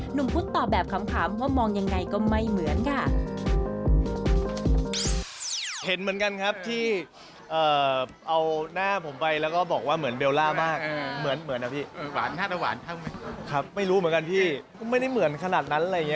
พุทธตอบแบบขำว่ามองยังไงก็ไม่เหมือนค่ะ